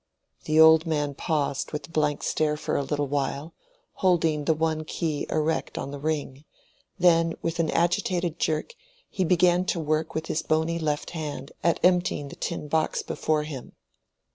The old man paused with a blank stare for a little while, holding the one key erect on the ring; then with an agitated jerk he began to work with his bony left hand at emptying the tin box before him.